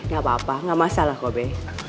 gapapa gak masalah kok be